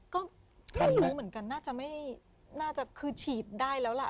ก็แค่รู้เหมือนกันน่าจะไม่น่าจะคือฉีดได้แล้วล่ะ